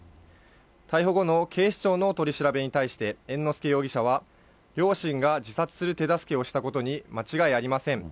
逮捕後の警視庁の取り調べに対して猿之助容疑者は、両親が自殺する手助けをしたことに間違いありません。